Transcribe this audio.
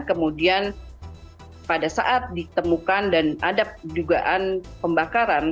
kemudian pada saat ditemukan dan ada dugaan pembakaran